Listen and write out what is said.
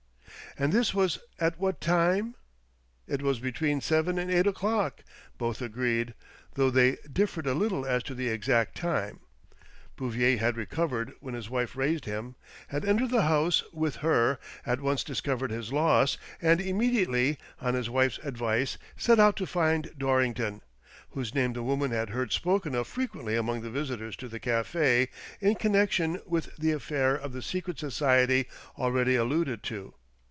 " And this was at what time? " It was between seven and eight o'clock, both 128 THE DOBBINGTON DEED BOX agreed, though they differed a little as to the exact time, Bouvier had recovered when his wife raised him, had entered the house with her, at once discovered his loss, and immediately, on his wife's advice, set out to find Dorrington, whose name the woman had heard spoken of frequently among the visitors to the cafe in connection with the affair of the secret society already alluded to.